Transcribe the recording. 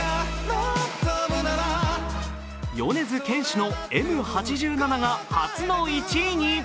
米津玄師の「Ｍ八七」が初の１位に。